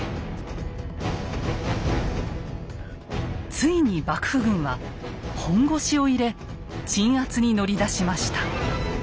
ついに幕府軍は本腰を入れ鎮圧に乗り出しました。